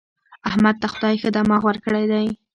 احمد ته خدای ښه دماغ ورکړی دی.